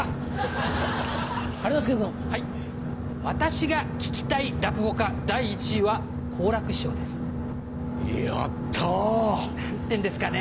私が聞きたい落語家第１位は好楽師匠です。